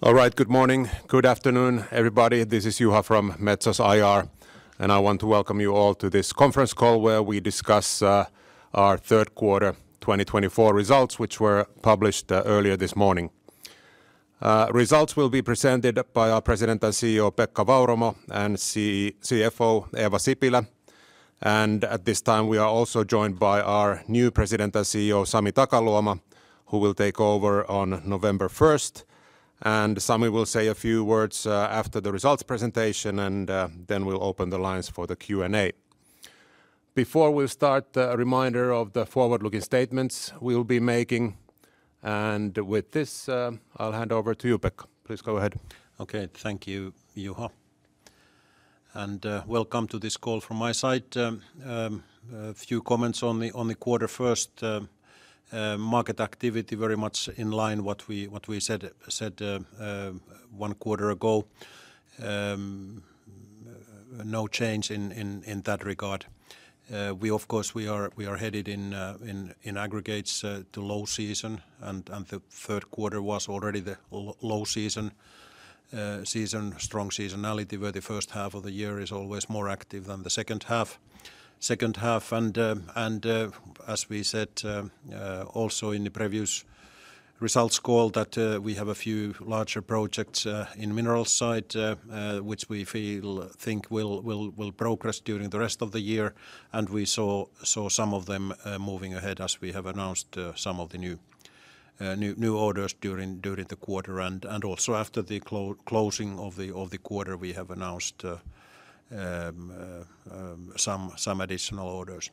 All right, good morning. Good afternoon, everybody. This is Juha from Metso's IR, and I want to welcome you all to this conference call where we discuss our third quarter twenty twenty-four results, which were published earlier this morning. Results will be presented by our President and CEO, Pekka Vauramo, and CFO, Eeva Sipilä. And at this time, we are also joined by our new President and CEO, Sami Takaluoma, who will take over on November first. And Sami will say a few words after the results presentation, and then we'll open the lines for the Q&A. Before we start, a reminder of the forward-looking statements we'll be making, and with this, I'll hand over to you, Pekka. Please go ahead. Okay. Thank you, Juha, and welcome to this call from my side. A few comments on the quarter first. Market activity very much in line what we said one quarter ago. No change in that regard. We, of course, are headed in aggregates to low season, and the third quarter was already the low season... strong seasonality, where the first half of the year is always more active than the second half. And as we said also in the previous results call, that we have a few larger projects in minerals side, which we feel think will progress during the rest of the year. We saw some of them moving ahead as we have announced some of the new orders during the quarter. Also after the closing of the quarter, we have announced some additional orders.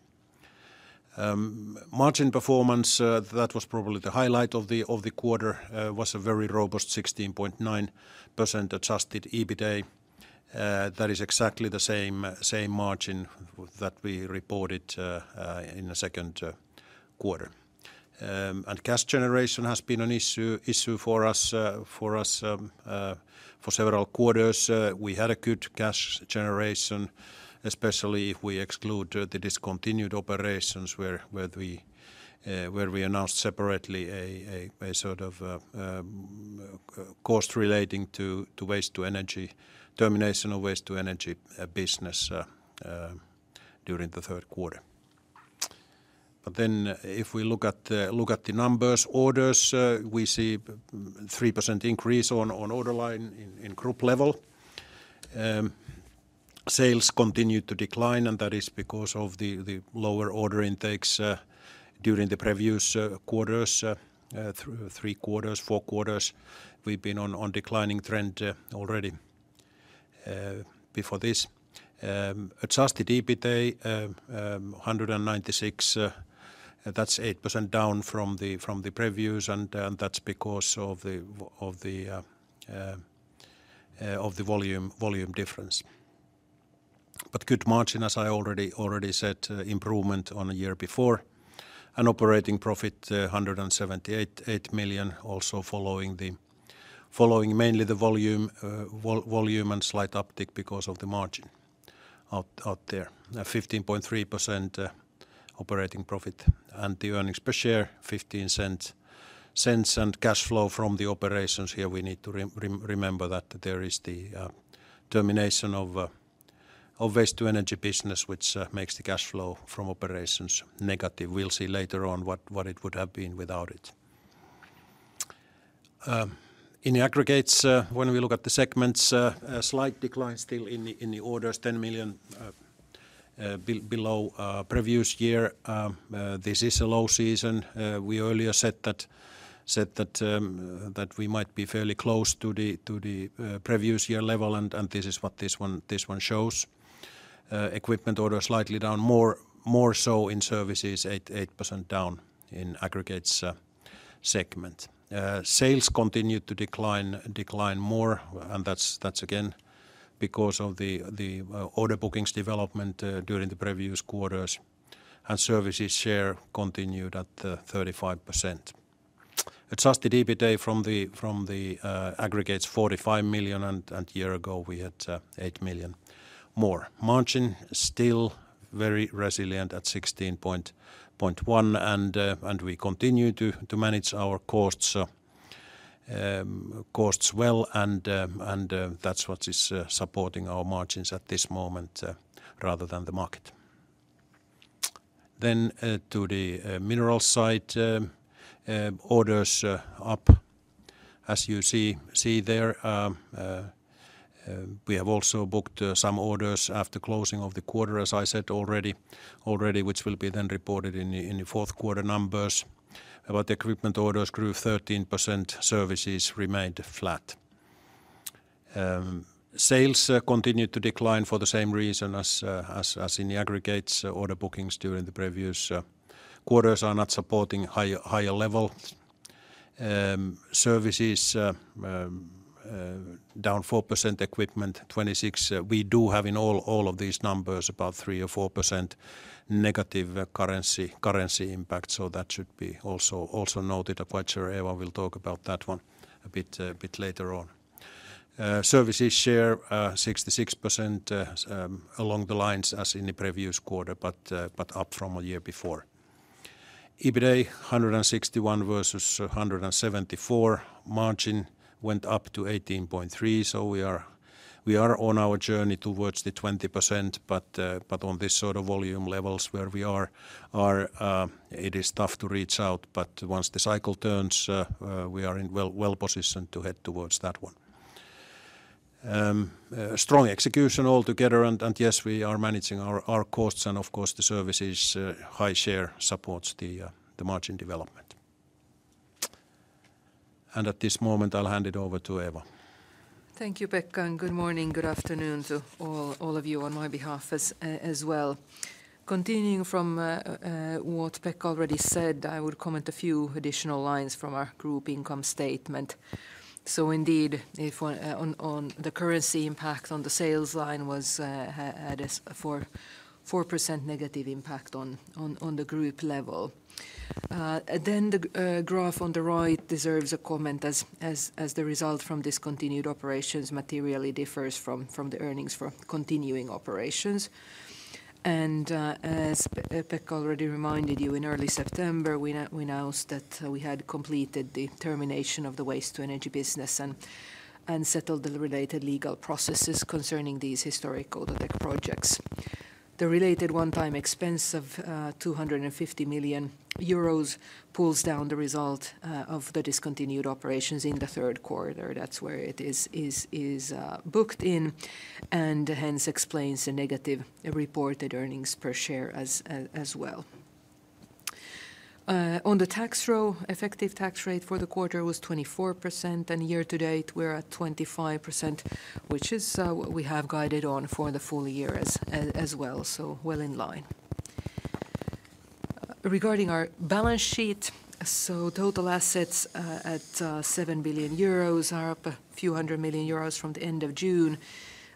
Margin performance that was probably the highlight of the quarter was a very robust 16.9% adjusted EBITA. That is exactly the same margin that we reported in the second quarter. Cash generation has been an issue for us for several quarters. We had a good cash generation, especially if we exclude the discontinued operations, where we announced separately a cost relating to waste-to-energy termination of waste-to-energy business during the third quarter. But then if we look at the numbers, orders, we see 3% increase on order line in group level. Sales continued to decline, and that is because of the lower order intakes during the previous quarters through three quarters, four quarters. We've been on declining trend already before this. Adjusted EBITA 196, that's 8% down from the previous, and that's because of the volume difference. But good margin, as I already said, improvement on a year before. And operating profit 178.8 million, also following mainly the volume and slight uptick because of the margin out there. 15.3% operating profit, and the earnings per share 0.15, and cash flow from the operations here, we need to remember that there is the termination of waste-to-energy business, which makes the cash flow from operations negative. We'll see later on what it would have been without it. In the aggregates, when we look at the segments, a slight decline still in the orders, 10 million below previous year. This is a low season. We earlier said that we might be fairly close to the previous year level, and this is what this one shows. Equipment orders slightly down, more so in services, 8% down in aggregates segment. Sales continued to decline more, and that's again because of the order bookings development during the previous quarters and services share continued at 35%. Adjusted EBITA from the aggregates, 45 million, and year ago we had 8 million more. Margin still very resilient at 16.1%, and we continue to manage our costs well, and that's what is supporting our margins at this moment rather than the market. Then to the minerals side, orders up, as you see there. We have also booked some orders after closing of the quarter, as I said already, which will be then reported in the fourth quarter numbers. But the equipment orders grew 13%, services remained flat. Sales continued to decline for the same reason as in the aggregates. Order bookings during the previous quarters are not supporting higher level. Services down 4%, equipment 26%. We do have in all of these numbers about 3% or 4% negative currency impact, so that should be also noted. I'm quite sure Eeva will talk about that one a bit later on. Services share 66%, along the lines as in the previous quarter, but up from a year before. EBITDA 161 versus 174. Margin went up to 18.3%, so we are on our journey towards the 20%, but on this sort of volume levels where we are, it is tough to reach out. But once the cycle turns, we are well-positioned to head towards that one. Strong execution altogether, and yes, we are managing our costs and of course, the services high share supports the margin development. At this moment, I'll hand it over to Eeva. Thank you, Pekka, and good morning, good afternoon to all of you on my behalf as well. Continuing from what Pekka already said, I would comment a few additional lines from our group income statement. So indeed, if one on the currency impact on the sales line had a 4% negative impact on the group level. Then the graph on the right deserves a comment as the result from discontinued operations materially differs from the earnings for continuing operations. And as Pekka already reminded you, in early September, we announced that we had completed the termination of the waste-to-energy business and settled the related legal processes concerning these historical Datec projects. The related one-time expense of 250 million euros pulls down the result of the discontinued operations in the third quarter. That's where it is booked in, and hence explains the negative reported earnings per share as well. On the tax row, effective tax rate for the quarter was 24%, and year to date, we're at 25%, which is what we have guided on for the full year as well, so well in line. Regarding our balance sheet, so total assets at 7 billion euros are up a few hundred million euros from the end of June,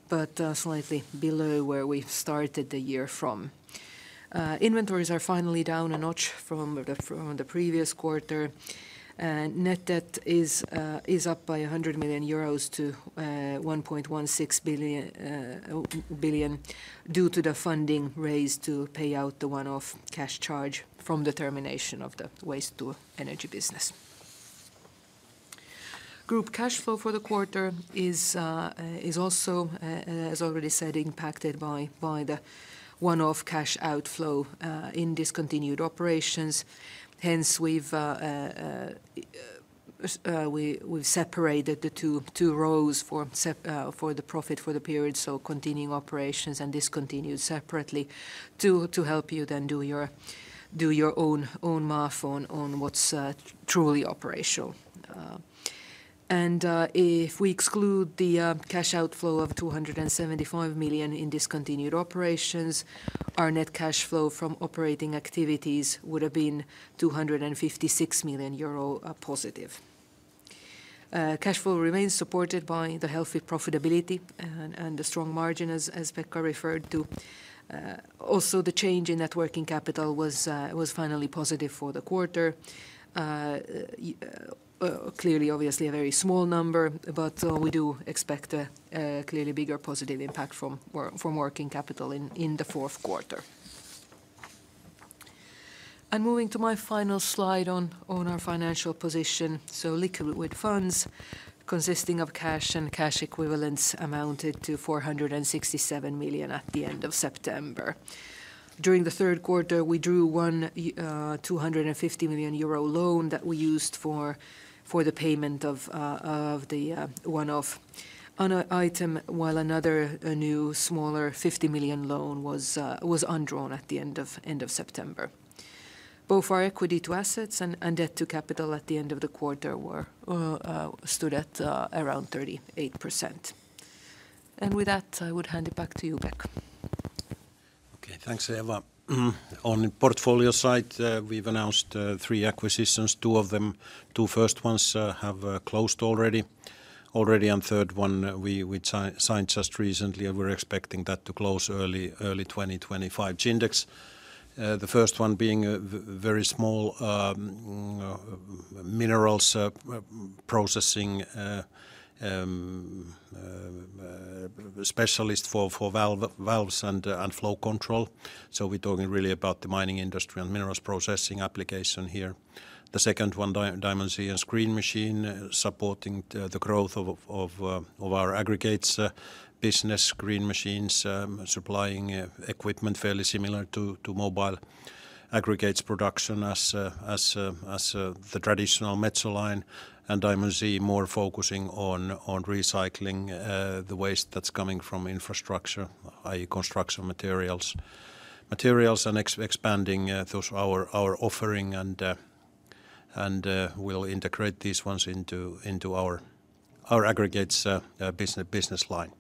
but slightly below where we started the year from. Inventories are finally down a notch from the previous quarter, and net debt is up by 100 million euros to 1.16 billion EUR due to the funding raised to pay out the one-off cash charge from the termination of the waste-to-energy business. Group cash flow for the quarter is also, as already said, impacted by the one-off cash outflow in discontinued operations. Hence, we've separated the two rows for the profit for the period, so continuing operations and discontinued separately, to help you then do your own math on what's truly operational. And if we exclude the cash outflow of 275 million EUR in discontinued operations, our net cash flow from operating activities would have been 256 million euro positive. Cash flow remains supported by the healthy profitability and the strong margin, as Pekka referred to. Also, the change in net working capital was finally positive for the quarter. Clearly, obviously a very small number, but we do expect a clearly bigger positive impact from working capital in the fourth quarter. And moving to my final slide on our financial position, so liquid funds consisting of cash and cash equivalents amounted to 467 million EUR at the end of September. During the third quarter, we drew a 250 million euro loan that we used for the payment of the one-off item, while another, a new, smaller 50 million EUR loan was undrawn at the end of September. Both our equity-to-assets and debt-to-capital at the end of the quarter stood at around 38%. With that, I would hand it back to you, Pekka. Okay, thanks, Eeva. On the portfolio side, we've announced three acquisitions. Two of them, the first ones, have closed already, and the third one, we signed just recently, and we're expecting that to close early 2025. Jindex, the first one being a very small minerals processing specialist for valves and flow control. So we're talking really about the mining industry and minerals processing application here. The second one, Diamond Z Screen Machine, supporting the growth of our aggregates business. Screen machines supplying equipment fairly similar to mobile aggregates production as the traditional Metso line, and Diamond Z more focusing on recycling the waste that's coming from infrastructure, i.e., construction materials. Minerals and expanding those to our offering, and we'll integrate these ones into our aggregates business line.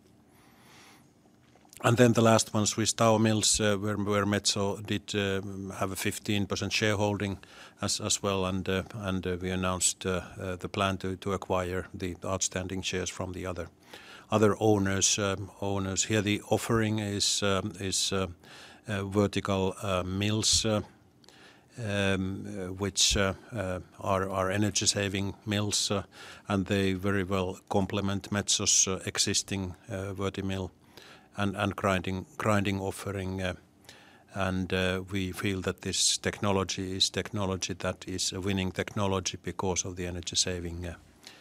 And then the last one, Swiss Tower Mills, where Metso did have a 15% shareholding as well, and we announced the plan to acquire the outstanding shares from the other owners here. The offering is vertical mills, which are energy-saving mills, and they very well complement Metso's existing Vertimill and grinding offering, and we feel that this technology is technology that is a winning technology because of the energy-saving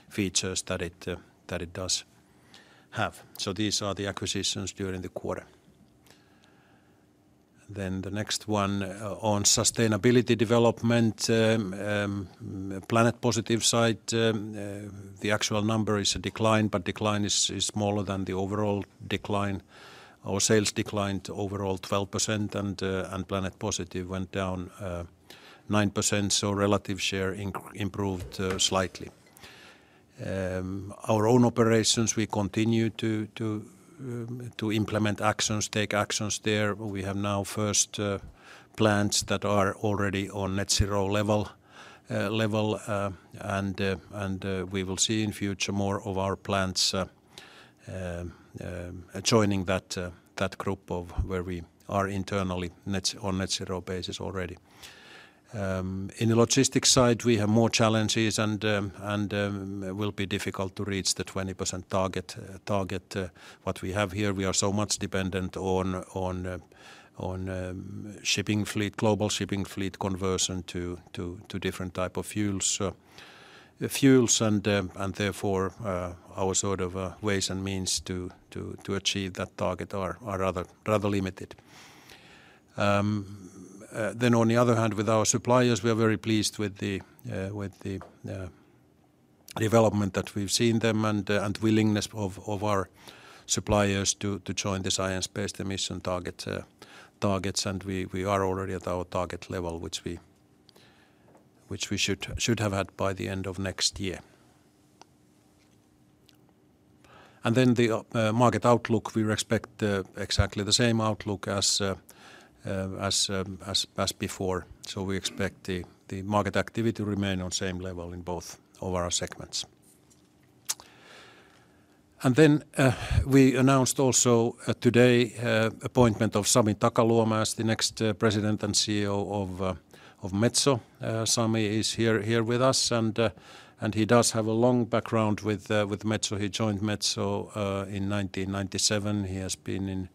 features that it does have. So these are the acquisitions during the quarter. The next one, on sustainability development, on the Planet Positive side, the actual number is a decline, but the decline is smaller than the overall decline. Our sales declined overall 12%, and Planet Positive went down 9%, so relative share increased, improved slightly. Our own operations, we continue to implement actions, take actions there. We have now first plants that are already on net zero level, and we will see in future more of our plants joining that group of where we are internally on net zero basis already. In the logistics side, we have more challenges, and it will be difficult to reach the 20% target. What we have here, we are so much dependent on shipping fleet, global shipping fleet conversion to different type of fuels, and therefore our sort of ways and means to achieve that target are rather limited. Then on the other hand, with our suppliers, we are very pleased with the development that we've seen them, and willingness of our suppliers to join the science-based emission targets, and we are already at our target level, which we should have had by the end of next year. And then the market outlook, we expect exactly the same outlook as before. So we expect the market activity to remain on same level in both of our segments. And then we announced also today appointment of Sami Takaluoma as the next president and CEO of Metso. Sami is here with us, and he does have a long background with Metso. He joined Metso in nineteen ninety-seven. He has been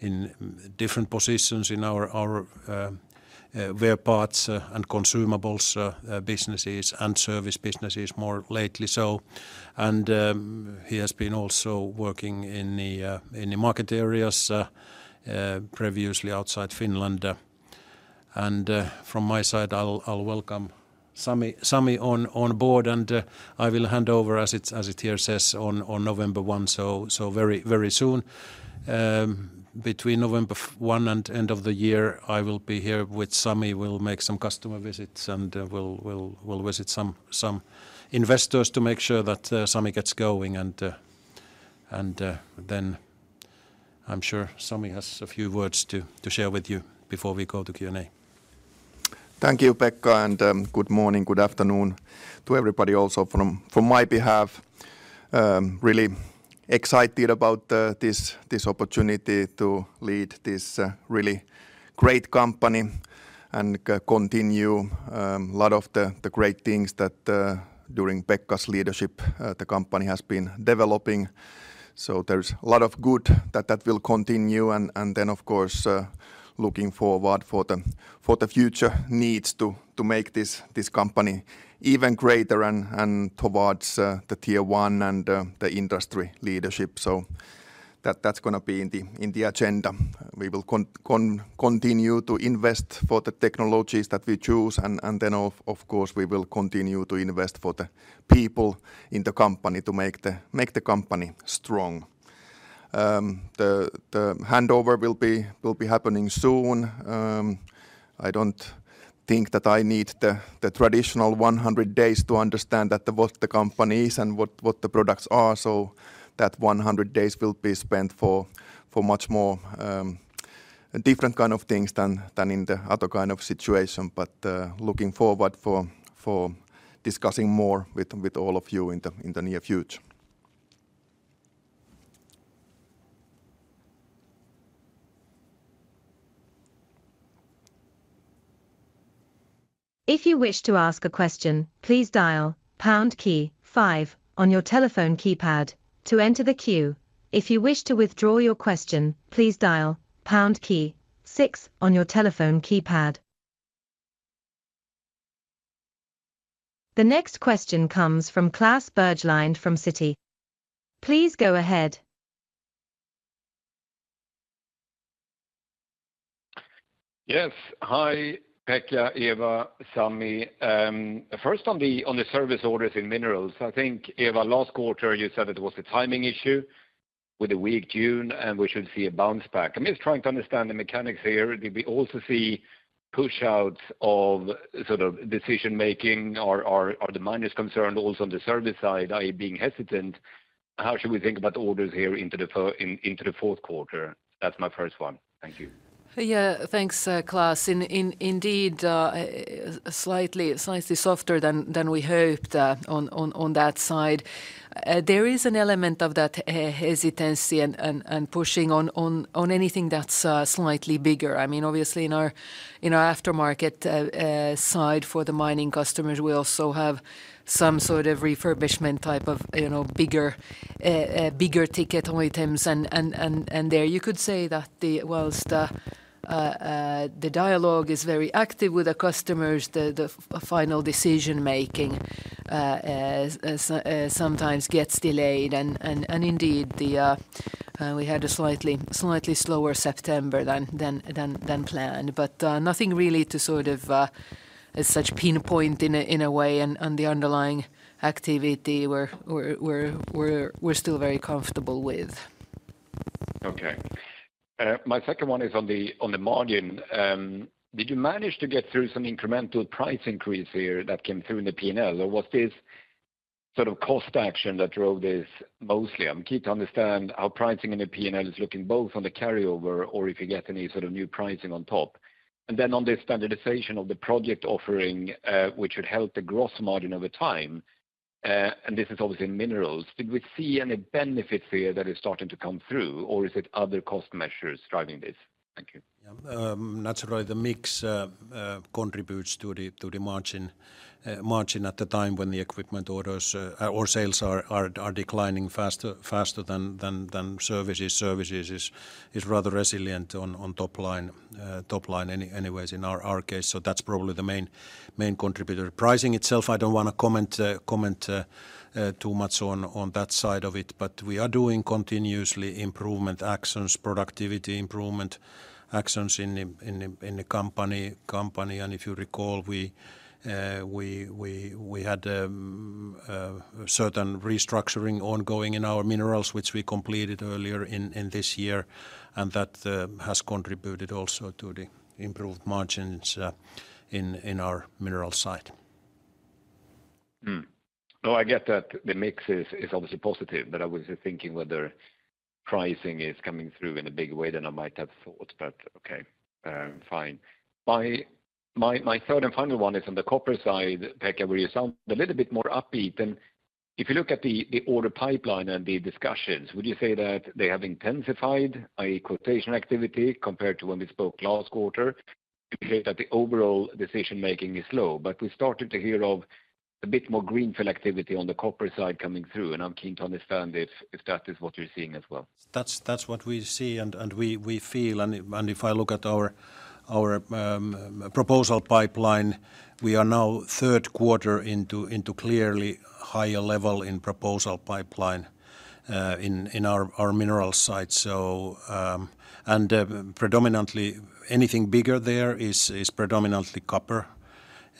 in different positions in our wear parts and consumables businesses, and service businesses more lately so. And he has been also working in the market areas previously outside Finland. And from my side, I'll welcome Sami on board, and I will hand over, as it here says, on November one, so very soon. Between November first and end of the year, I will be here with Sami. We'll make some customer visits, and we'll visit some investors to make sure that Sami gets going. Then I'm sure Sami has a few words to share with you before we go to Q&A. Thank you, Pekka, and good morning, good afternoon to everybody also from my behalf. Really excited about this opportunity to lead this really great company and continue a lot of the great things that during Pekka's leadership the company has been developing. So there's a lot of good that that will continue, and then, of course, looking forward for the future needs to make this company even greater and towards the tier one and the industry leadership. So that's gonna be in the agenda. We will continue to invest for the technologies that we choose, and then of course, we will continue to invest for the people in the company to make the company strong. The handover will be happening soon. I don't think that I need the traditional 100 days to understand what the company is and what the products are, so that 100 days will be spent for much more different kind of things than in the other kind of situation, but looking forward for discussing more with all of you in the near future. If you wish to ask a question, please dial pound key five on your telephone keypad to enter the queue. If you wish to withdraw your question, please dial pound key six on your telephone keypad. The next question comes from Klas Bergelind from Citi. Please go ahead. Yes. Hi, Pekka, Eeva, Sami. First on the service orders in minerals, I think, Eeva, last quarter, you said it was a timing issue with a weak June, and we should see a bounce back. I'm just trying to understand the mechanics here. Did we also see pushouts of sort of decision-making, or are the miners concerned also on the service side, are you being hesitant? How should we think about orders here into the fourth quarter? That's my first one. Thank you. Yeah, thanks, Klas. Indeed, slightly softer than we hoped, on that side. There is an element of that hesitancy and pushing on anything that's slightly bigger. I mean, obviously, in our aftermarket side for the mining customers, we also have some sort of refurbishment type of, you know, bigger-ticket items. And there you could say that whilst the dialogue is very active with the customers, the final decision-making sometimes gets delayed. And indeed, we had a slightly slower September than planned. But, nothing really to sort of, as such pinpoint in a way on the underlying activity we're still very comfortable with. Okay. My second one is on the margin. Did you manage to get through some incremental price increase here that came through in the P&L, or was this sort of cost action that drove this mostly? I'm keen to understand how pricing in the P&L is looking, both on the carryover or if you get any sort of new pricing on top. And then on the standardization of the project offering, which would help the gross margin over time, and this is obviously in minerals, did we see any benefits here that is starting to come through, or is it other cost measures driving this? Thank you. Yeah, naturally, the mix contributes to the margin at the time when the equipment orders or sales are declining faster than services. Services is rather resilient on top line anyways, in our case, so that's probably the main contributor. Pricing itself, I don't wanna comment too much on that side of it, but we are doing continuous improvement actions, productivity improvement actions in the company. And if you recall, we had certain restructuring ongoing in our minerals, which we completed earlier in this year, and that has contributed also to the improved margins in our minerals side. No, I get that the mix is obviously positive, but I was just thinking whether pricing is coming through in a bigger way than I might have thought. But okay, fine. My third and final one is on the copper side, Pekka, where you sound a little bit more upbeat. And if you look at the order pipeline and the discussions, would you say that they have intensified, i.e., quotation activity, compared to when we spoke last quarter? You said that the overall decision-making is slow, but we started to hear of a bit more greenfield activity on the copper side coming through, and I'm keen to understand if that is what you're seeing as well. That's what we see and we feel. And if I look at our proposal pipeline, we are now third quarter into clearly higher level in proposal pipeline in our mineral side. So... And predominantly anything bigger there is predominantly copper.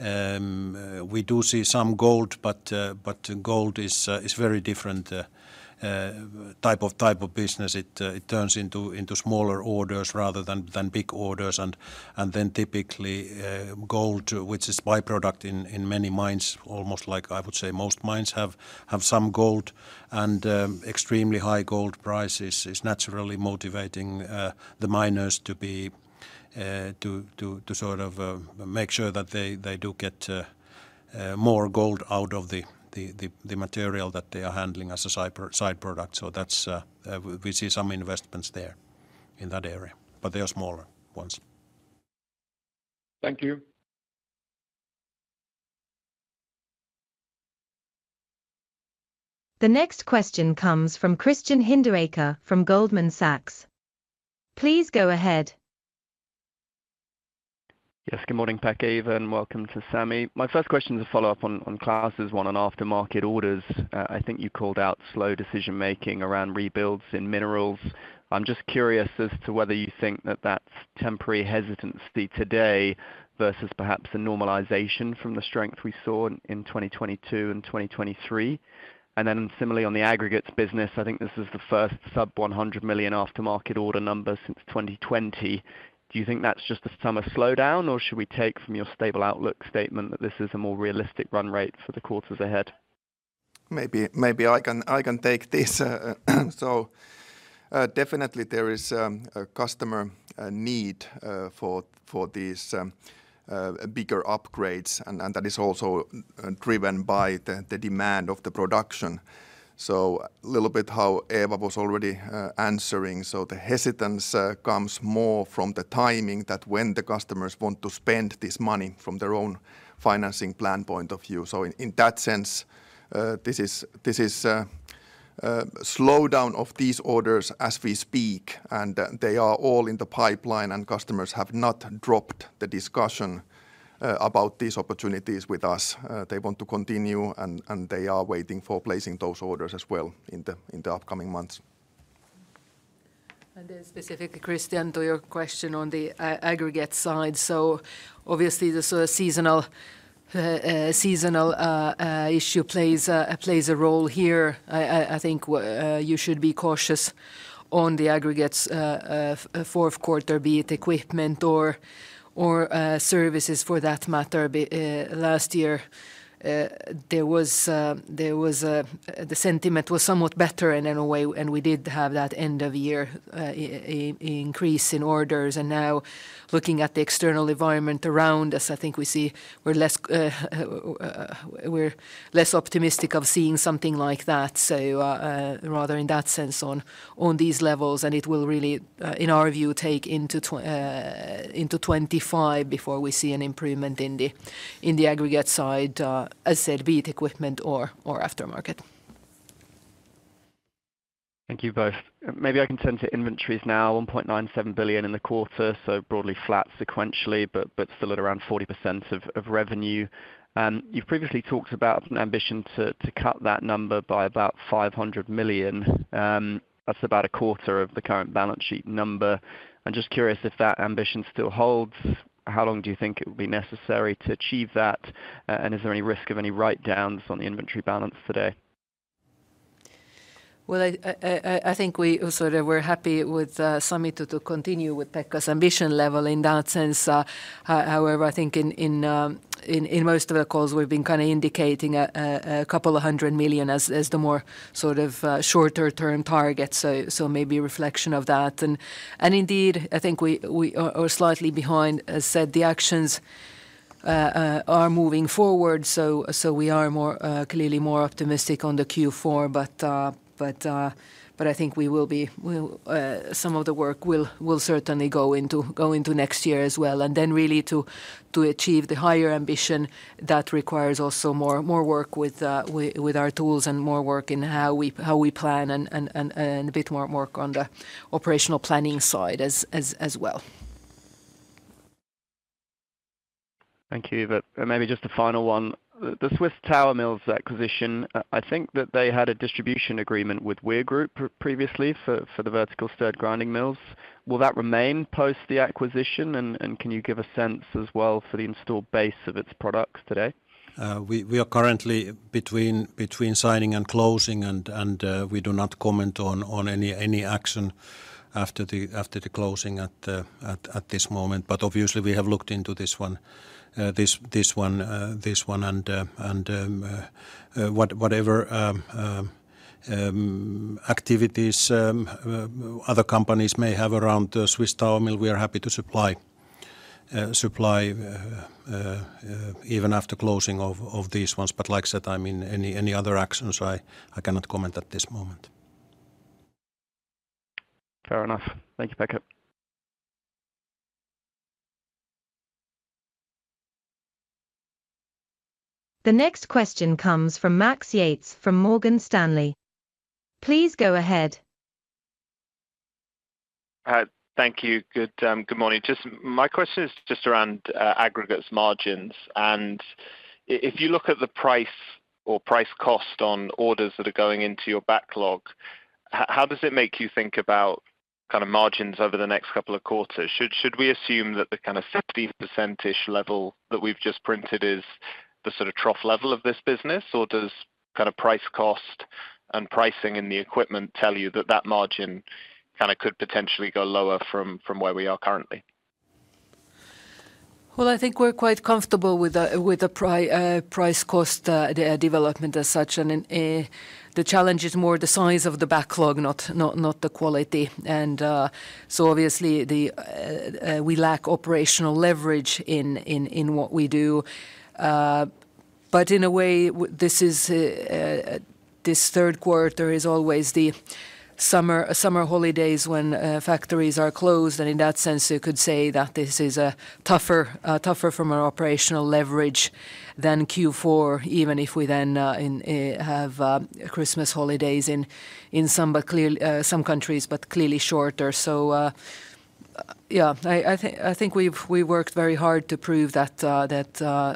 We do see some gold, but gold is very different type of business. It turns into smaller orders rather than big orders. And then typically gold, which is by-product in many mines, almost like I would say most mines have some gold. Extremely high gold prices is naturally motivating the miners to sort of make sure that they do get more gold out of the material that they are handling as a side product. So that's. We see some investments there in that area, but they are smaller ones. Thank you. The next question comes from Christian Hinderaker from Goldman Sachs. Please go ahead. Yes, good morning, Pekka, Eeva, and welcome to Sami. My first question is a follow-up on, on Klas's one on aftermarket orders. I think you called out slow decision-making around rebuilds in minerals. I'm just curious as to whether you think that that's temporary hesitancy today versus perhaps a normalization from the strength we saw in 2022 and 2023? And then similarly, on the aggregates business, I think this is the first sub-100 million aftermarket order number since 2020. Do you think that's just a summer slowdown, or should we take from your stable outlook statement that this is a more realistic run rate for the quarters ahead? Maybe, maybe I can, I can take this. So, definitely there is a customer need for these bigger upgrades, and that is also driven by the demand of the production. So a little bit how Eeva was already answering, so the hesitance comes more from the timing that when the customers want to spend this money from their own financing plan point of view. So in that sense, this is a slowdown of these orders as we speak, and they are all in the pipeline, and customers have not dropped the discussion about these opportunities with us. They want to continue, and they are waiting for placing those orders as well in the upcoming months. And then specifically, Christian, to your question on the aggregates side, so obviously, the sort of seasonal issue plays a role here. I think you should be cautious on the aggregates' fourth quarter, be it equipment or services for that matter. But last year, the sentiment was somewhat better in a way, and we did have that end-of-year increase in orders. And now, looking at the external environment around us, I think we see we're less optimistic of seeing something like that. So, rather in that sense, on these levels, and it will really, in our view, take into 2025 before we see an improvement in the aggregate side, as said, be it equipment or aftermarket. Thank you both. Maybe I can turn to inventories now, 1.97 billion in the quarter, so broadly flat sequentially, but still at around 40% of revenue. You've previously talked about an ambition to cut that number by about 500 million. That's about a quarter of the current balance sheet number. I'm just curious if that ambition still holds. How long do you think it will be necessary to achieve that? And is there any risk of any write-downs on the inventory balance today? Well, I think we sort of we're happy with Metso to continue with Pekka's ambition level in that sense. However, I think in most of our calls, we've been kind of indicating a couple of hundred million as the more sort of shorter-term target. So maybe a reflection of that. And indeed, I think we are slightly behind. As said, the actions are moving forward, so we are more clearly more optimistic on the Q4. But I think some of the work will certainly go into next year as well. And then really to achieve the higher ambition, that requires also more work with our tools and more work in how we plan and a bit more work on the operational planning side as well. Thank you. But maybe just a final one. The Swiss Tower Mills acquisition, I think that they had a distribution agreement with Weir Group previously for the vertical stirred grinding mills. Will that remain post the acquisition? And can you give a sense as well for the installed base of its products today? We are currently between signing and closing, and we do not comment on any action after the closing at this moment. But obviously, we have looked into this one, and whatever activities other companies may have around the Swiss Tower Mills, we are happy to supply even after closing of these ones. But like I said, I mean, any other actions, I cannot comment at this moment. Fair enough. Thank you, Pekka. The next question comes from Max Yates, from Morgan Stanley. Please go ahead. Thank you. Good morning. Just my question is just around aggregates margins. And if you look at the price or price cost on orders that are going into your backlog, how does it make you think about kind of margins over the next couple of quarters? Should we assume that the kind of 50%-ish level that we've just printed is the sort of trough level of this business? Or does kind of price, cost, and pricing in the equipment tell you that that margin kind of could potentially go lower from where we are currently? I think we're quite comfortable with the price cost development as such. The challenge is more the size of the backlog, not the quality. So obviously, we lack operational leverage in what we do. But in a way, this third quarter is always the summer holidays when factories are closed, and in that sense, you could say that this is a tougher from an operational leverage than Q4, even if we then have Christmas holidays in some countries, but clearly shorter. Yeah, I think we've worked very hard to prove that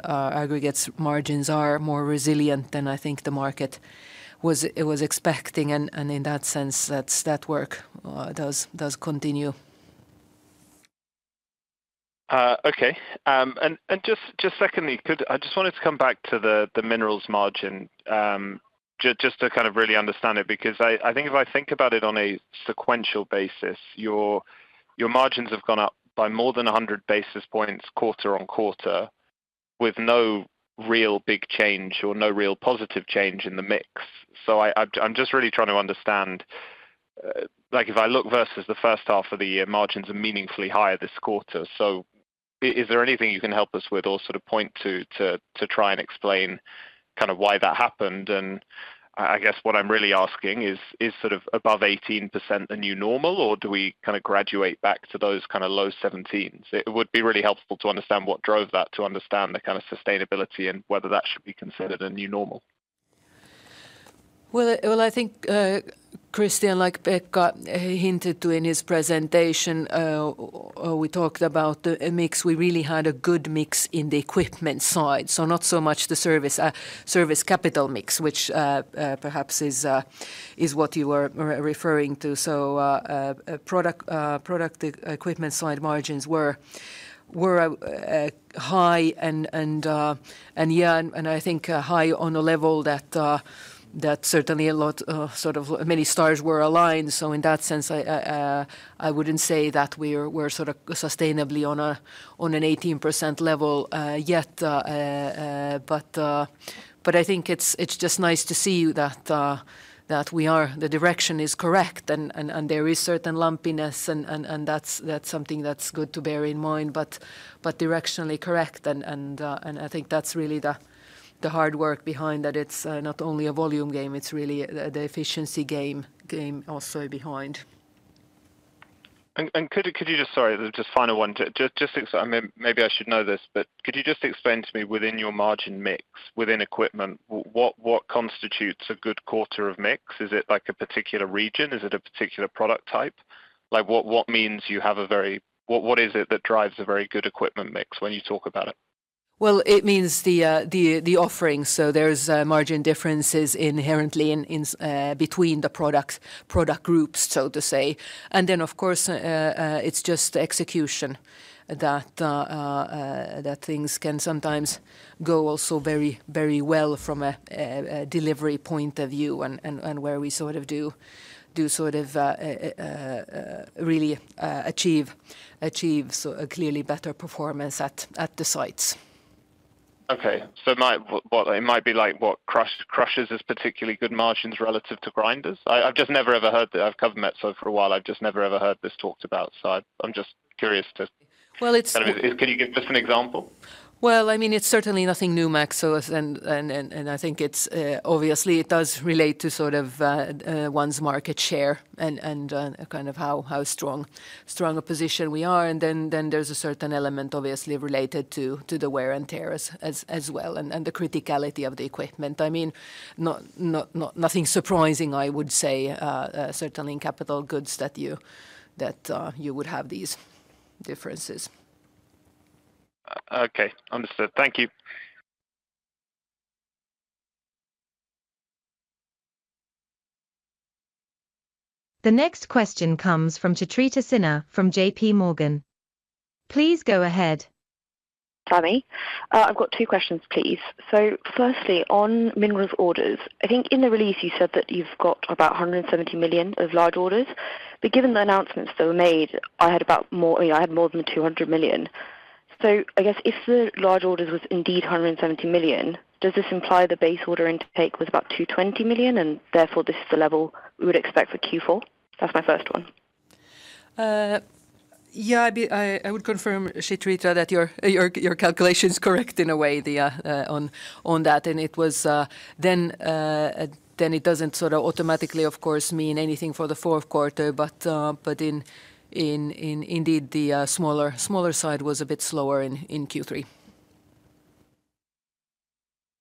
aggregates margins are more resilient than I think the market was expecting, and in that sense, that work does continue. Okay. And just secondly, I just wanted to come back to the minerals margin, just to kind of really understand it, because I think if I think about it on a sequential basis, your margins have gone up by more than a hundred basis points quarter on quarter, with no real big change or no real positive change in the mix. So I'm just really trying to understand, like, if I look versus the first half of the year, margins are meaningfully higher this quarter. So is there anything you can help us with or sort of point to, to try and explain kind of why that happened? I, I guess what I'm really asking is, is sort of above 18% the new normal, or do we kind of graduate back to those kind of low 17s%? It would be really helpful to understand what drove that, to understand the kind of sustainability and whether that should be considered a new normal. Well, well, I think, Christian, like Pekka hinted to in his presentation, we talked about a mix. We really had a good mix in the equipment side, so not so much the service capital mix, which perhaps is what you are referring to. So, product equipment side margins were high and, and yeah, and I think high on a level that certainly a lot sort of many stars were aligned. So in that sense, I wouldn't say that we're sort of sustainably on an 18% level yet. But I think it's just nice to see that we are... The direction is correct, and there is certain lumpiness, and that's something that's good to bear in mind, but directionally correct. I think that's really the hard work behind that. It's not only a volume game, it's really the efficiency game also behind.... And could you just, sorry, just final one. Just, I mean, maybe I should know this, but could you just explain to me within your margin mix, within equipment, what constitutes a good quarter of mix? Is it like a particular region? Is it a particular product type? Like, what means you have a very... What is it that drives a very good equipment mix when you talk about it? Well, it means the offering. So there's margin differences inherently in between the product groups, so to say. And then, of course, it's just execution that things can sometimes go also very well from a delivery point of view, and where we sort of do sort of really achieve so a clearly better performance at the sites. Okay, so, well, it might be like what crushers is particularly good margins relative to grinders? I've just never, ever heard that. I've covered Metso for a while. I've just never, ever heard this talked about, so I'm just curious to- Well, it's- Can you give just an example? Well, I mean, it's certainly nothing new, Max, so I think it's obviously it does relate to sort of one's market share and kind of how strong a position we are, and then there's a certain element obviously related to the wear and tear as well, and the criticality of the equipment. I mean, nothing surprising, I would say, certainly in capital goods that you would have these differences. Okay, understood. Thank you. The next question comes from Chitrita Sinha from JP Morgan. Please go ahead. Sami, I've got two questions, please. So firstly, on minerals orders, I think in the release, you said that you've got about 170 million of large orders, but given the announcements that were made, I had about more... I mean, I had more than 200 million. So I guess if the large orders was indeed 170 million, does this imply the base order intake was about 220 million, and therefore, this is the level we would expect for Q4? That's my first one. Yeah, I would confirm, Chitrita, that your calculation is correct in a way, on that. Then it doesn't sort of automatically, of course, mean anything for the fourth quarter, but indeed, the smaller side was a bit slower in Q3.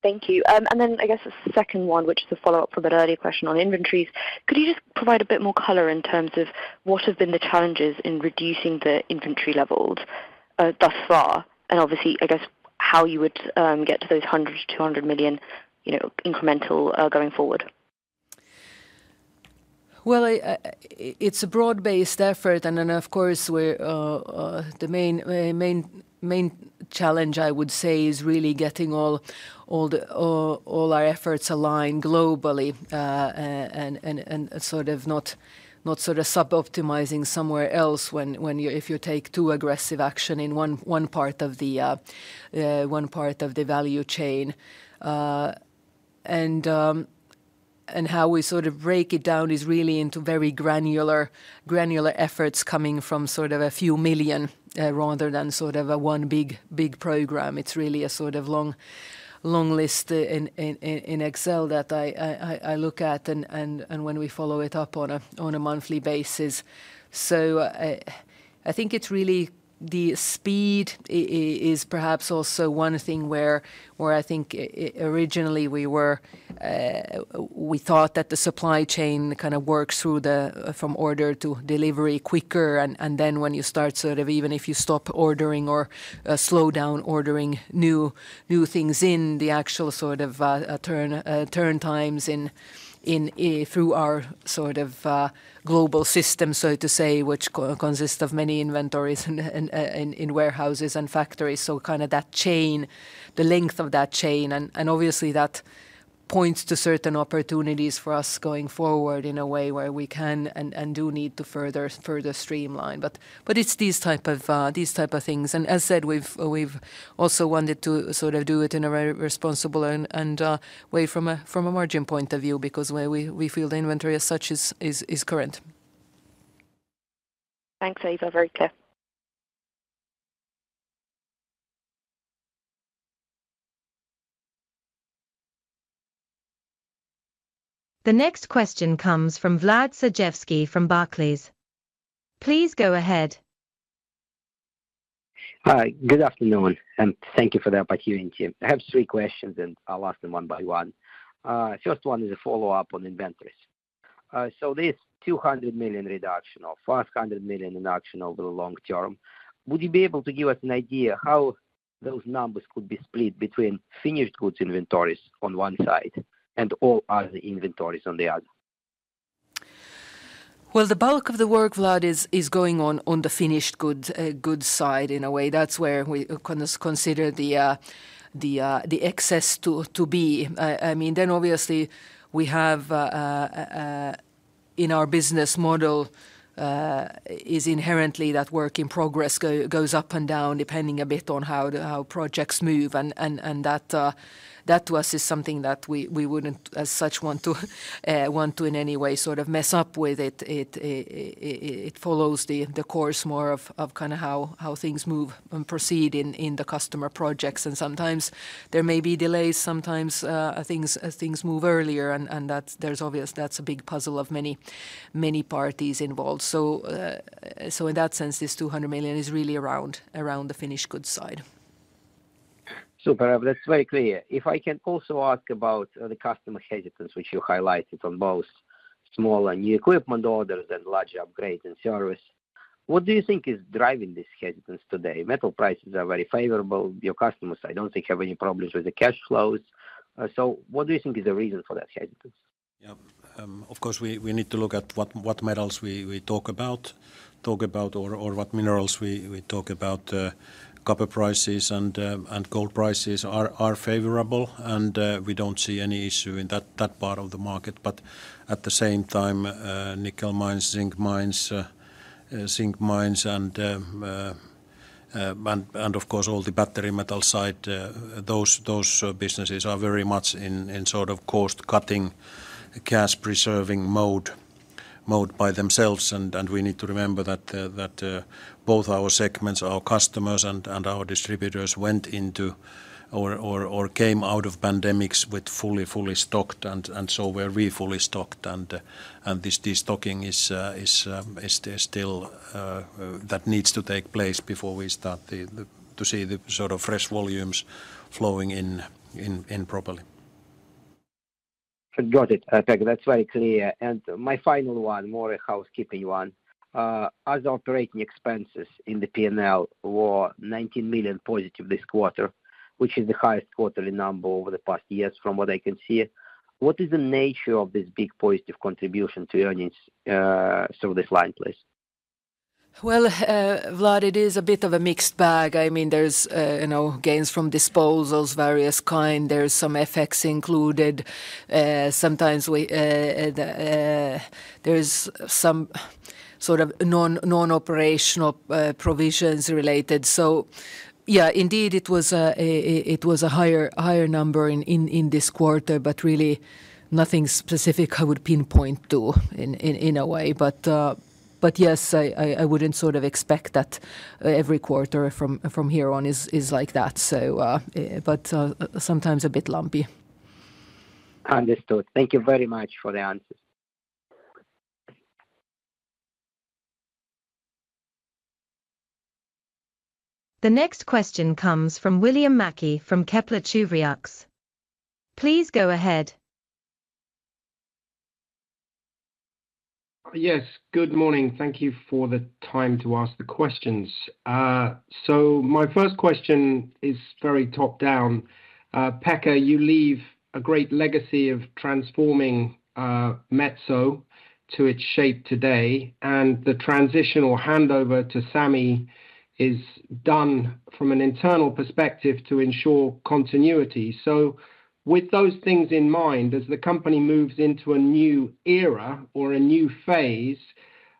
Thank you, and then I guess the second one, which is a follow-up from an earlier question on inventories. Could you just provide a bit more color in terms of what have been the challenges in reducing the inventory levels, thus far, and obviously, I guess, how you would get to those €100-€200 million, you know, incremental, going forward. It's a broad-based effort, and then, of course, we're the main challenge, I would say, is really getting all our efforts aligned globally, and sort of not suboptimizing somewhere else when you take too aggressive action in one part of the value chain, and how we sort of break it down is really into very granular efforts coming from sort of a few million rather than sort of a one big program. It's really a sort of long list in Excel that I look at and when we follow it up on a monthly basis. So, I think it's really the speed is perhaps also one thing where, where I think originally we were, we thought that the supply chain kind of works through the, from order to delivery quicker, and then when you start sort of even if you stop ordering or, slow down ordering new things in the actual sort of, turn times in, through our sort of, global system, so to say, which consists of many inventories and in warehouses and factories. So kind of that chain, the length of that chain, and obviously that points to certain opportunities for us going forward in a way where we can and do need to further streamline. But it's these type of things. And as said, we've also wanted to sort of do it in a very responsible and way from a margin point of view, because where we feel the inventory as such is current. Thanks, Eeva. Very clear. The next question comes from Vlad Sergievsky from Barclays. Please go ahead. Hi, good afternoon, and thank you for the opportunity. I have three questions, and I'll ask them one by one. First one is a follow-up on inventories. So this €200 million reduction or €500 million reduction over the long term, would you be able to give us an idea how those numbers could be split between finished goods inventories on one side and all other inventories on the other? The bulk of the work, Vlad, is going on the finished goods side. In a way, that's where we consider the excess to be. I mean, then obviously, we have in our business model is inherently that work in progress goes up and down, depending a bit on how projects move, and that to us is something that we wouldn't, as such, want to in any way sort of mess up with it. It follows the course more of kind of how things move and proceed in the customer projects, and sometimes there may be delays, sometimes things move earlier, and that's obviously a big puzzle of many parties involved. In that sense, this €200 million is really around the finished goods side. Super, that's very clear. If I can also ask about the customer hesitance, which you highlighted on both small and new equipment orders and large upgrades and service. What do you think is driving this hesitance today? Metal prices are very favorable. Your customers, I don't think, have any problems with the cash flows. So what do you think is the reason for that hesitance? Yeah. Of course, we need to look at what metals we talk about or what minerals we talk about. Copper prices and gold prices are favorable, and we don't see any issue in that part of the market. But at the same time, nickel mines, zinc mines, and of course, all the battery metals side, those businesses are very much in sort of cost-cutting, cash-preserving mode by themselves. And we need to remember that both our segments, our customers and our distributors went into or came out of pandemics with fully stocked, and so were we fully stocked. This de-stocking is still that needs to take place before we start to see the sort of fresh volumes flowing in properly. Got it, Pekka. That's very clear. And my final one, more a housekeeping one. Other operating expenses in the P&L were 19 million positive this quarter, which is the highest quarterly number over the past years, from what I can see. What is the nature of this big positive contribution to earnings through this line, please? Vlad, it is a bit of a mixed bag. I mean, there's, you know, gains from disposals, various kind. There's some effects included. There is some sort of non-operational provisions related. So yeah, indeed, it was a higher number in this quarter, but really nothing specific I would pinpoint to in a way. But yes, I wouldn't sort of expect that every quarter from here on is like that. But sometimes a bit lumpy. Understood. Thank you very much for the answers. The next question comes from William Mackie from Kepler Cheuvreux. Please go ahead. Yes, good morning. Thank you for the time to ask the questions, so my first question is very top down. Pekka, you leave a great legacy of transforming Metso to its shape today, and the transition or handover to Sami is done from an internal perspective to ensure continuity, so with those things in mind, as the company moves into a new era or a new phase,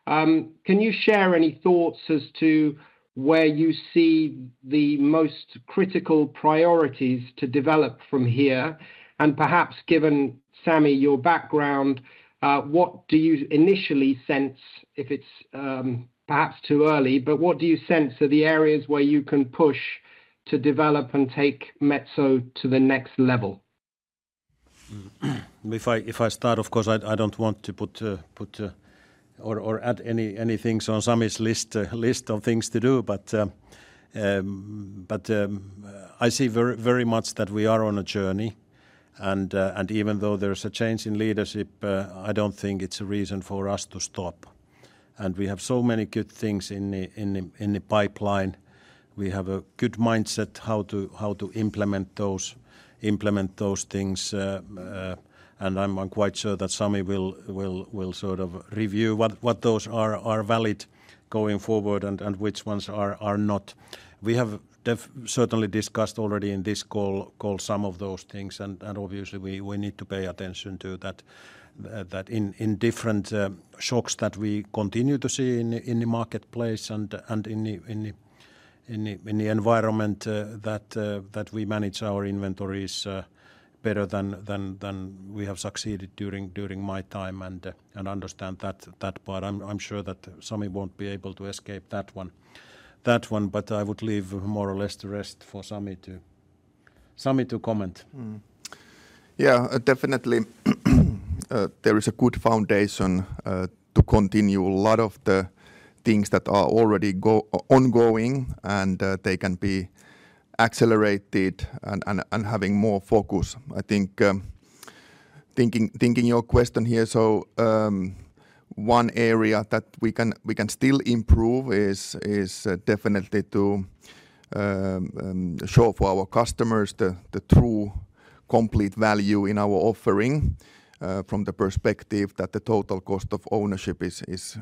can you share any thoughts as to where you see the most critical priorities to develop from here? And perhaps, given Sami, your background, what do you initially sense if it's perhaps too early, but what do you sense are the areas where you can push to develop and take Metso to the next level? If I start, of course, I don't want to put or add anything on Sami's list of things to do. I see very much that we are on a journey, and even though there's a change in leadership, I don't think it's a reason for us to stop. We have so many good things in the pipeline. We have a good mindset how to implement those things. I'm quite sure that Sami will sort of review what those are valid going forward and which ones are not. We have def... Certainly discussed already in this call some of those things, and obviously we need to pay attention to that in different shocks that we continue to see in the marketplace and in the environment, that we manage our inventories better than we have succeeded during my time, and understand that part. I'm sure that Sami won't be able to escape that one, but I would leave more or less the rest for Sami to comment. Mm. Yeah, definitely, there is a good foundation to continue a lot of the things that are already ongoing, and they can be accelerated and having more focus. I think, thinking your question here, so, one area that we can still improve is definitely to show for our customers the true complete value in our offering from the perspective that the total cost of ownership is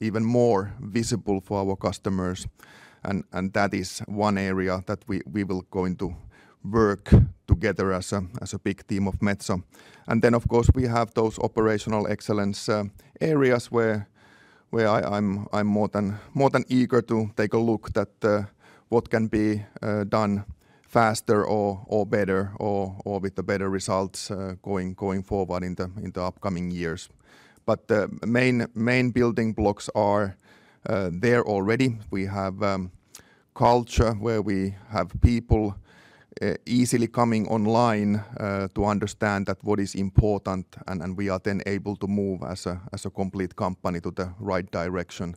even more visible for our customers. And that is one area that we will going to work together as a big team of Metso. Then, of course, we have those operational excellence areas where I am more than eager to take a look at what can be done faster or better or with better results going forward in the upcoming years. But the main building blocks are there already. We have culture where we have people easily coming online to understand what is important, and we are then able to move as a complete company to the right direction.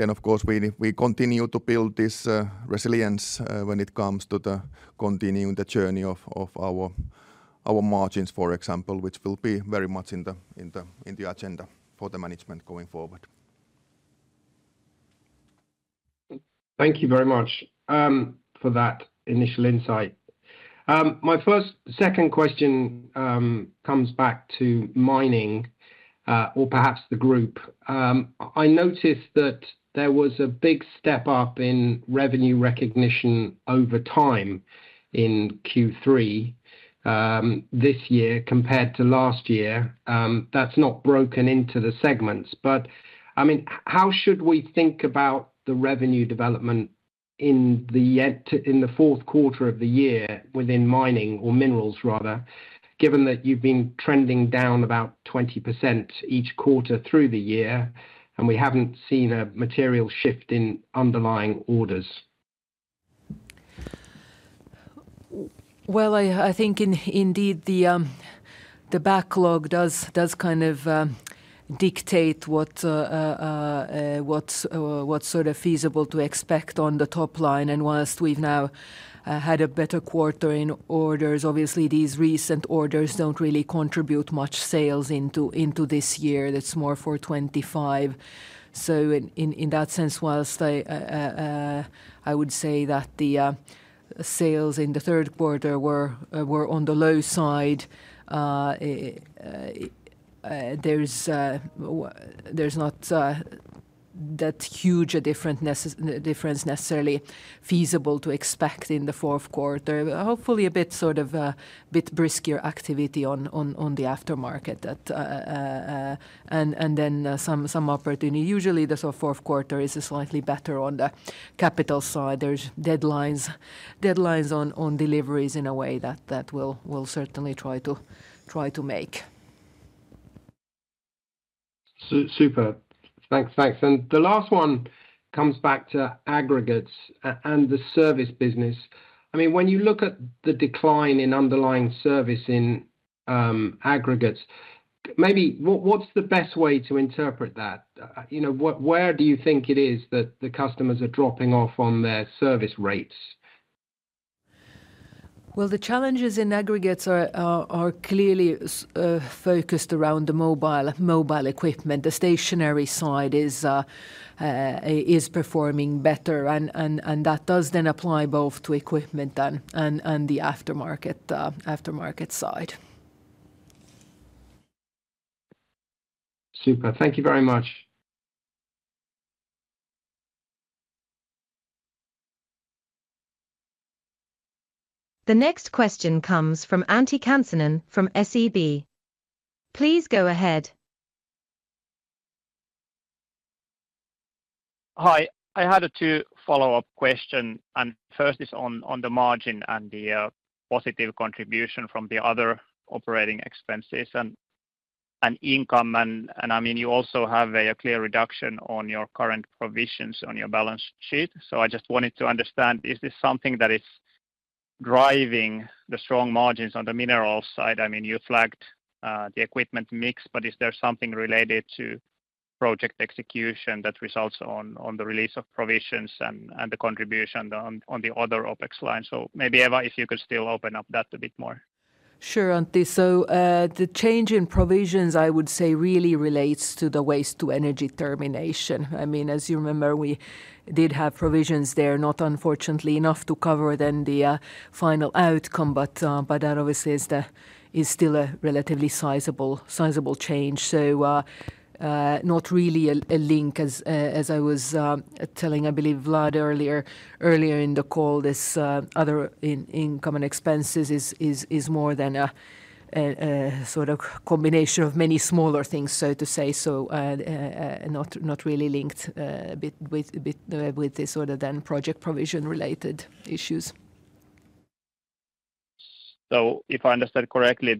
Then of course, we continue to build this resilience when it comes to continuing the journey of our margins, for example, which will be very much in the agenda for the management going forward. Thank you very much for that initial insight. My first, second question comes back to mining, or perhaps the group. I noticed that there was a big step up in revenue recognition over time in Q3 this year compared to last year. That's not broken into the segments, but, I mean, how should we think about the revenue development in the fourth quarter of the year within mining or minerals rather, given that you've been trending down about 20% each quarter through the year, and we haven't seen a material shift in underlying orders? I think indeed the backlog does kind of dictate what's sort of feasible to expect on the top line. And whilst we've now had a better quarter in orders, obviously these recent orders don't really contribute much sales into this year. That's more for 2025. So in that sense, whilst I would say that the sales in the third quarter were on the low side, there's not that huge a difference necessarily feasible to expect in the fourth quarter. Hopefully, a bit sort of bit brisker activity on the aftermarket and then some opportunity. Usually, the fourth quarter is slightly better on the capital side. There's deadlines on deliveries in a way that we'll certainly try to make. Superb. Thanks, thanks. And the last one comes back to aggregates and the service business. I mean, when you look at the decline in underlying service in aggregates, what's the best way to interpret that? You know, where do you think it is that the customers are dropping off on their service rates? The challenges in aggregates are clearly focused around the mobile equipment. The stationary side is performing better, and that does then apply both to equipment and the aftermarket side. Super. Thank you very much. The next question comes from Antti Kansanen from SEB. Please go ahead. Hi. I had two follow-up questions, and first is on the margin and the positive contribution from the other operating expenses and income. And I mean, you also have a clear reduction on your current provisions on your balance sheet. So I just wanted to understand, is this something that is driving the strong margins on the minerals side? I mean, you flagged the equipment mix, but is there something related to project execution that results in the release of provisions and the contribution on the other OpEx line? So maybe, Eeva, if you could still open up that a bit more. Sure, Antti. So, the change in provisions, I would say, really relates to the waste-to-energy termination. I mean, as you remember, we did have provisions there, not unfortunately enough to cover the final outcome, but that obviously is still a relatively sizable change. So, not really a link as I was telling, I believe Vlad earlier in the call, this other income and expenses is more than a sort of combination of many smaller things, so to say. So, not really linked with this sort of then project provision-related issues. So if I understand correctly,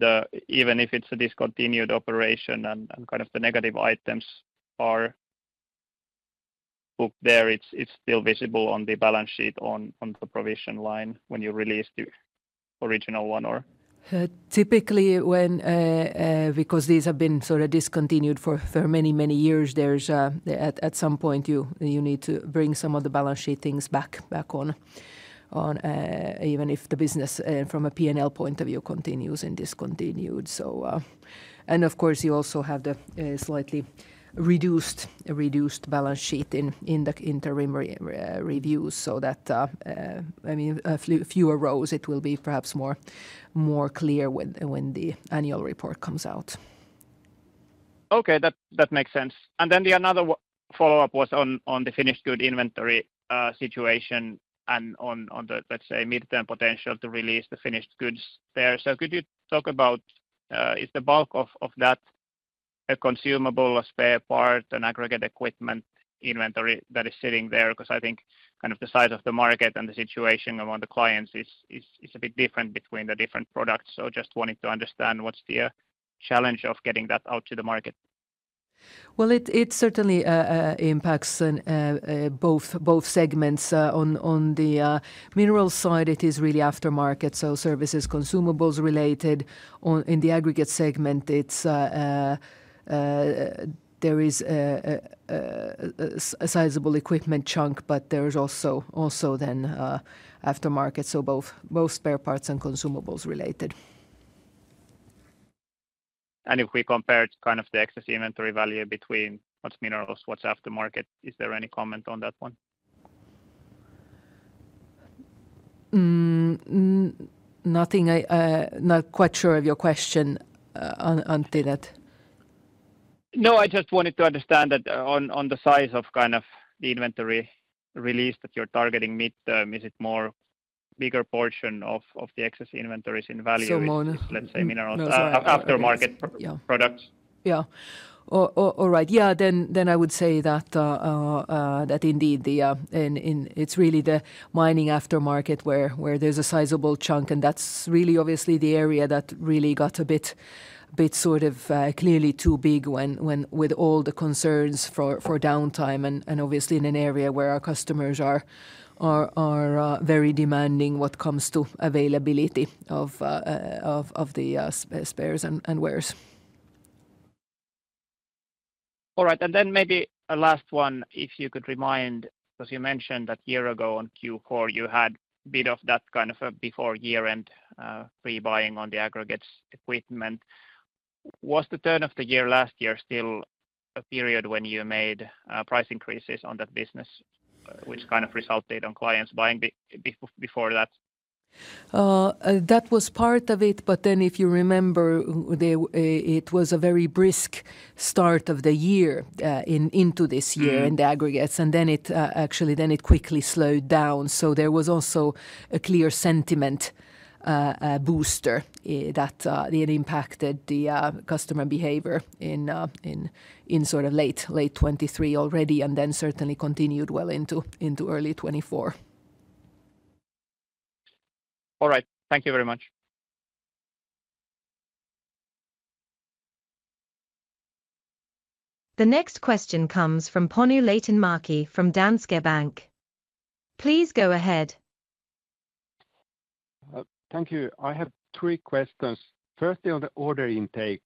even if it's a discontinued operation and kind of the negative items are booked there, it's still visible on the balance sheet on the provision line when you release the original one or? Typically, because these have been sort of discontinued for many, many years, there's at some point you need to bring some of the balance sheet things back on, even if the business from a P&L point of view continues and discontinued, and of course, you also have the slightly reduced balance sheet in the interim reviews, so that, I mean, fewer rows, it will be perhaps more clear when the annual report comes out. Okay, that makes sense. Another follow-up was on the finished goods inventory situation and on the midterm potential to release the finished goods there. So could you talk about, is the bulk of that a consumable, a spare part, an aggregates equipment inventory that is sitting there? Because I think kind of the size of the market and the situation among the clients is a bit different between the different products. So just wanting to understand what's the challenge of getting that out to the market? Well, it certainly impacts on both segments. On the mineral side, it is really aftermarket, so services, consumables related. In the aggregate segment, there is a sizable equipment chunk, but there is also then aftermarket, so both spare parts and consumables related. And if we compare it to kind of the excess inventory value between what's minerals, what's aftermarket, is there any comment on that one? Not quite sure of your question on Antti, that. No, I just wanted to understand that, on the size of kind of the inventory release that you're targeting mid-term, is it more bigger portion of the excess inventories in value- So more- let's say, minerals aftermarket- Yeah... products? Yeah. Or right. Yeah, then I would say that indeed the... In, it's really the mining aftermarket where there's a sizable chunk, and that's really obviously the area that really got a bit sort of clearly too big when with all the concerns for downtime and obviously in an area where our customers are very demanding when it comes to availability of the spares and wares. All right. And then maybe a last one, if you could remind, because you mentioned that year ago on Q4, you had a bit of that, kind of, a before year-end, pre-buying on the aggregates equipment. Was the turn of the year last year still a period when you made, price increases on that business, which kind of resulted on clients buying before that? That was part of it, but then if you remember, it was a very brisk start of the year into this year. Mm... in the aggregates, and then it actually then it quickly slowed down. So there was also a clear sentiment booster that it impacted the customer behavior in sort of late 2023 already, and then certainly continued well into early 2024. All right. Thank you very much. The next question comes from Panu Laitinmäki from Danske Bank. Please go ahead. Thank you. I have three questions. Firstly, on the order intake,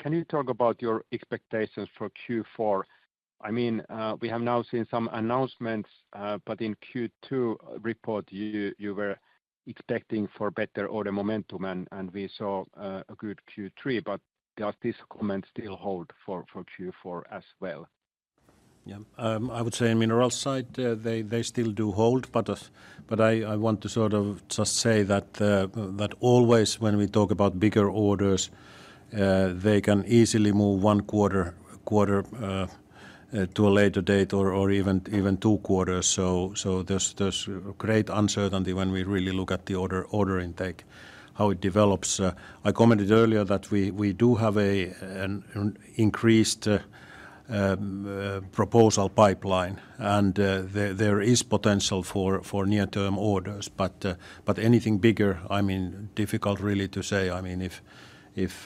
can you talk about your expectations for Q4? I mean, we have now seen some announcements, but in Q2 report, you were expecting for better order momentum, and we saw a good Q3, but does this comment still hold for Q4 as well? Yeah. I would say minerals side, they still do hold, but I want to sort of just say that always when we talk about bigger orders, they can easily move one quarter to a later date or even two quarters. So there's great uncertainty when we really look at the order intake, how it develops. I commented earlier that we do have an increased proposal pipeline, and there is potential for near-term orders. But anything bigger, I mean, difficult really to say. I mean, if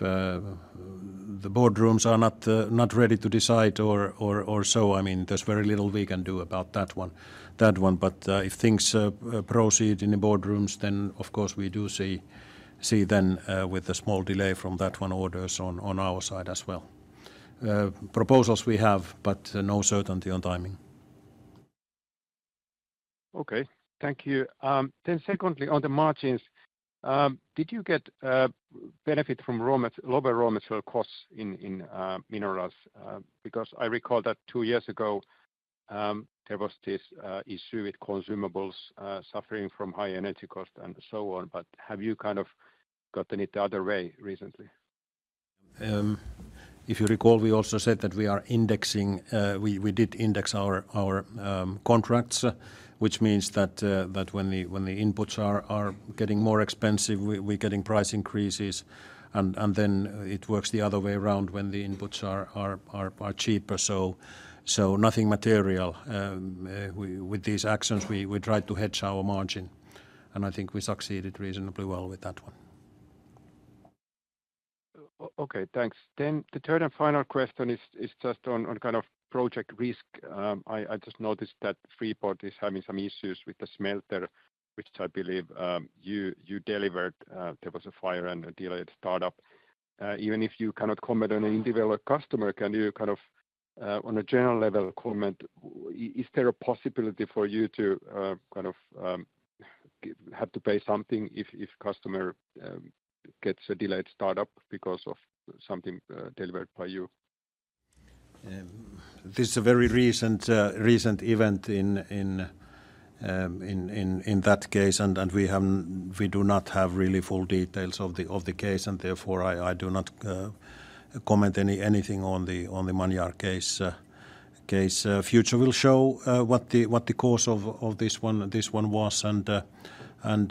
the boardrooms are not ready to decide or so, I mean, there's very little we can do about that one. But, if things proceed in the boardrooms, then of course, we do see then, with a small delay from that one, orders on our side as well. Proposals we have, but no certainty on timing. Okay, thank you. Then secondly, on the margins, did you get benefit from lower raw material costs in minerals? Because I recall that two years ago, there was this issue with consumables suffering from high energy costs and so on, but have you kind of gotten it the other way recently? If you recall, we also said that we are indexing. We did index our contracts, which means that when the inputs are getting more expensive, we're getting price increases, and then it works the other way around when the inputs are cheaper. So nothing material. With these actions, we try to hedge our margin, and I think we succeeded reasonably well with that one. Okay, thanks. Then the third and final question is just on kind of project risk. I just noticed that Freeport is having some issues with the smelter, which I believe you delivered. There was a fire and a delayed startup. Even if you cannot comment on an individual customer, can you kind of on a general level comment, is there a possibility for you to kind of have to pay something if customer gets a delayed startup because of something delivered by you? This is a very recent event in that case, and we do not have really full details of the case, and therefore, I do not comment anything on the Manyar case. Future will show what the cause of this one was, and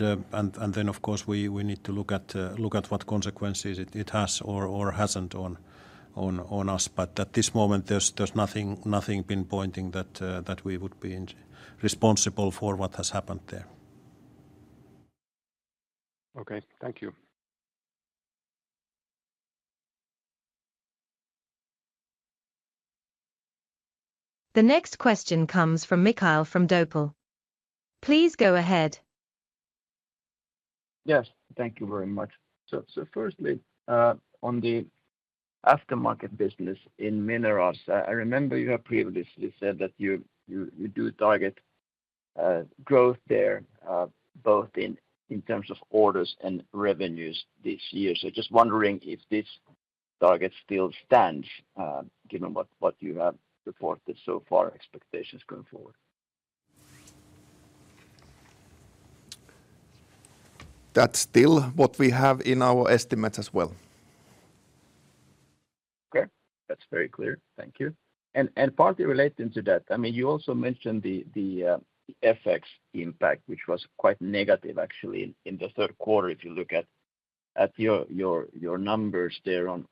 then, of course, we need to look at what consequences it has or hasn't on us. But at this moment, there's nothing been pointing that we would be responsible for what has happened there. Okay, thank you. The next question comes from Mikael Doepel from Nordea. Please go ahead. Yes, thank you very much. So firstly, on the aftermarket business in Minerals, I remember you have previously said that you do target growth there, both in terms of orders and revenues this year. So just wondering if this target still stands, given what you have reported so far, expectations going forward? That's still what we have in our estimates as well. Okay, that's very clear. Thank you. And partly relating to that, I mean, you also mentioned the FX impact, which was quite negative actually in the third quarter, if you look at your numbers there on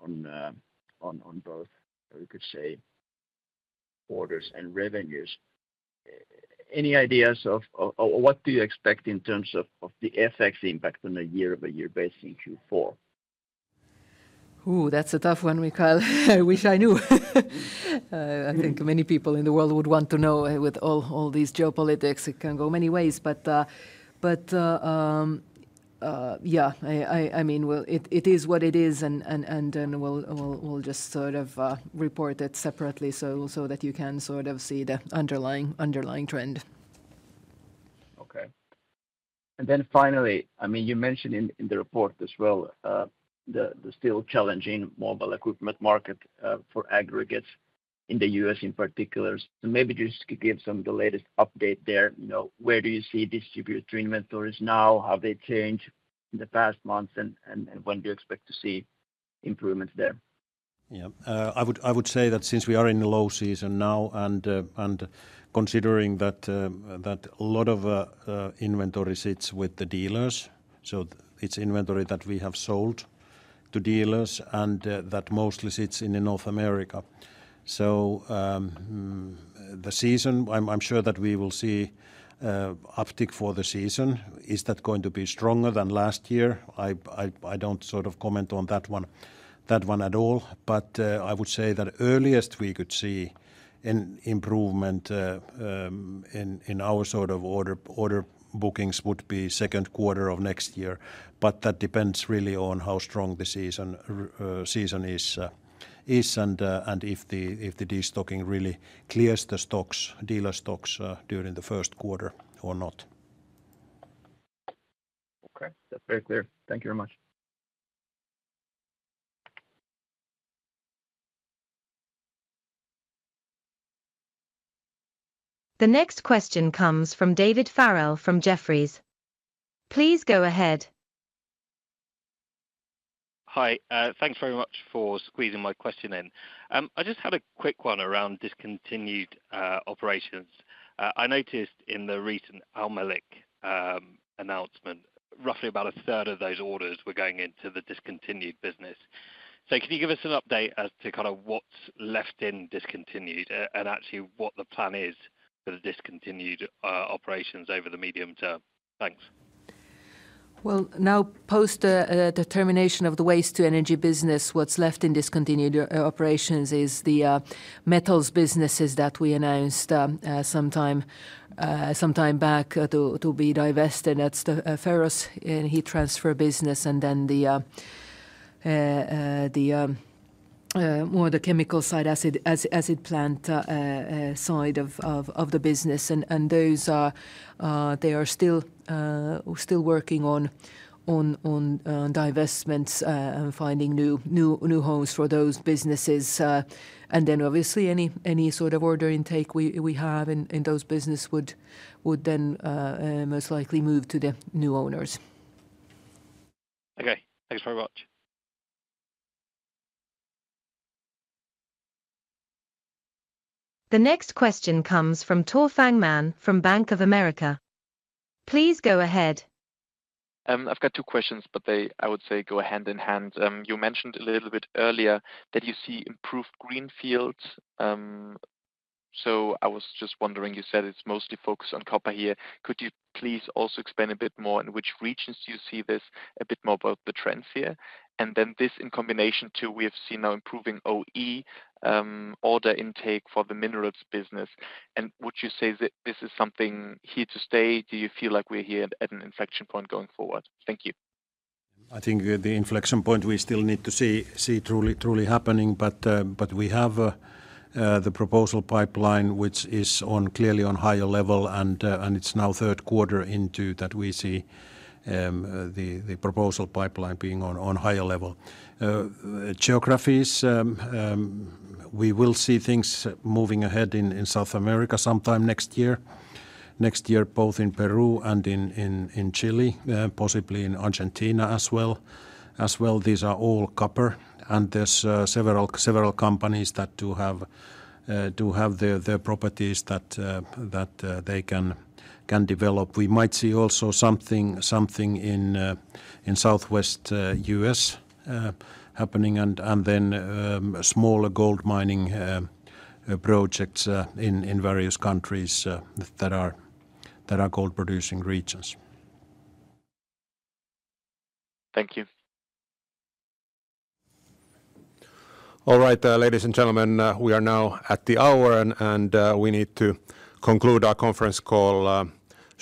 both, you could say, orders and revenues. Any ideas or what do you expect in terms of the FX impact on a year-over-year basis in Q4? Ooh, that's a tough one, Mikael. I wish I knew. I think many people in the world would want to know, with all these geopolitics, it can go many ways. But, yeah, I mean, well, it is what it is, and we'll just sort of report it separately so that you can sort of see the underlying trend. Okay. And then finally, I mean, you mentioned in the report as well, the still challenging mobile equipment market for aggregates in the U.S. in particular. So maybe just give some of the latest update there. You know, where do you see distributor inventories now? Have they changed in the past months, and when do you expect to see improvements there? Yeah. I would say that since we are in the low season now, and considering that a lot of inventory sits with the dealers, so it's inventory that we have sold to dealers, and that mostly sits in North America. So the season, I'm sure that we will see uptick for the season. Is that going to be stronger than last year? I don't sort of comment on that one at all. But, I would say that earliest we could see an improvement in our sort of order bookings would be second quarter of next year, but that depends really on how strong the season is, and if the destocking really clears the stocks, dealer stocks, during the first quarter or not. Okay, that's very clear. Thank you very much. The next question comes from David Farrell from Jefferies. Please go ahead. Hi. Thanks very much for squeezing my question in. I just had a quick one around discontinued operations. I noticed in the recent Almalyk announcement, roughly about a third of those orders were going into the discontinued business. So can you give us an update as to kind of what's left in discontinued, and actually, what the plan is for the discontinued operations over the medium term? Thanks. Well, now, post the termination of the waste-to-energy business, what's left in discontinued operations is the metals businesses that we announced sometime back to be divested. That's the ferrous and heat transfer business, and then the more chemical side, acid plant side of the business. And those are... they are still working on divestments and finding new homes for those businesses. And then obviously, any sort of order intake we have in those businesses would then most likely move to the new owners. Okay, thanks very much. The next question comes from Tore Fangmann from Bank of America. Please go ahead. I've got two questions, but they, I would say, go hand in hand. You mentioned a little bit earlier that you see improved greenfields. So I was just wondering, you said it's mostly focused on copper here. Could you please also expand a bit more, in which regions do you see this, a bit more about the trends here? And then this in combination to we have seen now improving OE order intake for the minerals business. And would you say that this is something here to stay? Do you feel like we're here at an inflection point going forward? Thank you. I think the inflection point we still need to see truly happening. But we have the proposal pipeline, which is clearly on higher level, and it's now third quarter into that we see the proposal pipeline being on higher level. Geographies, we will see things moving ahead in South America sometime next year, both in Peru and in Chile, possibly in Argentina as well. These are all copper, and there's several companies that do have their properties that they can develop. We might see also something, something in southwest U.S. happening and then smaller gold mining projects in various countries that are gold-producing regions. Thank you. All right, ladies and gentlemen, we are now at the hour, and we need to conclude our conference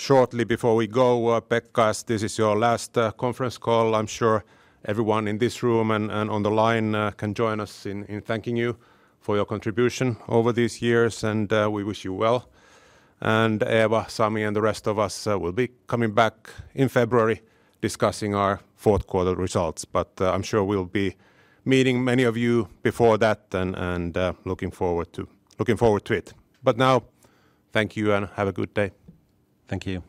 call shortly. Before we go, Pekka, this is your last conference call. I'm sure everyone in this room and on the line can join us in thanking you for your contribution over these years, and we wish you well. And Eeva, Sami, and the rest of us will be coming back in February, discussing our fourth quarter results. But I'm sure we'll be meeting many of you before that, and looking forward to it. But now, thank you and have a good day. Thank you.